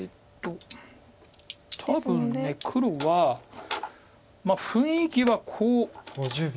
多分黒はまあ雰囲気はこう。